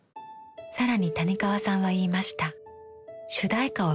更に谷川さんは言いました。